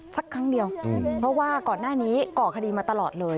สักครั้งเดียวเพราะว่าก่อนหน้านี้ก่อคดีมาตลอดเลย